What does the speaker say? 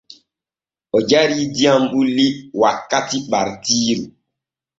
O jarii diyam bulli wakkati ɓartiiru.